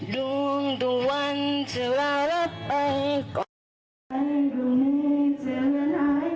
ดวงต่อวันจะลาและไป